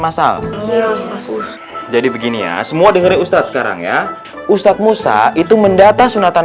masal jadi begini ya semua dengerin ustadz sekarang ya ustadz musa itu mendata sunatan